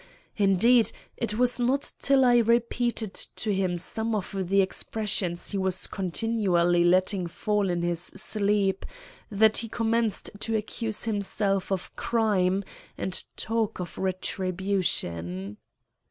Indeed it was not till I repeated to him some of the expressions he was continually letting fall in his sleep, that he commenced to accuse himself of crime and talk of retribution."